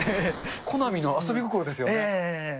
コナミの遊び心ですよね。